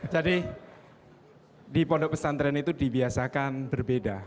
jadi di pondok pesantren itu dibiasakan berbeda